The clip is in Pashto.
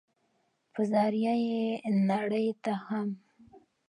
په ذريعه ئې نړۍ ته هم